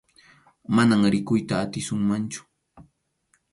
Manam rikuyta atisunmanchu.